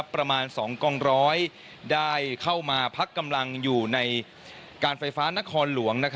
ประมาณ๒กองร้อยได้เข้ามาพักกำลังอยู่ในการไฟฟ้านครหลวง